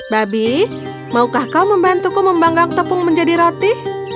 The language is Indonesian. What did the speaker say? babi maukah kau membantuku membanggang tepung menjadi roti